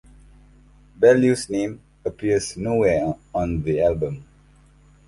Ballew's name appears nowhere on the album.